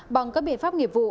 bằng các biện pháp nghiệp vụ